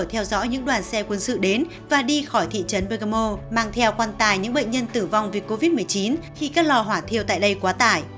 theo dõi những đoàn xe quân sự đến và đi khỏi thị trấn becamo mang theo quan tài những bệnh nhân tử vong vì covid một mươi chín khi các lò hỏa thiêu tại đây quá tải